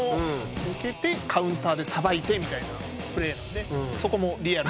受けてカウンターでさばいてみたいなプレーなのでそこもリアル。